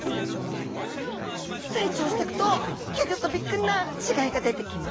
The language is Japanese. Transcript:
成長していくとギョギョッとびっくりな違いが出てきますよ。